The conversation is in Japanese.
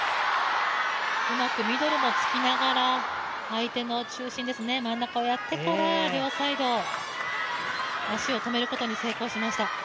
うまくミドルも突きながら相手の中心ですね、真ん中をやってから両サイド、足を止めることに成功しました。